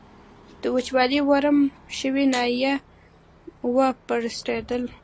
د وچولې ورم شوې ناحیه و پړسېدل.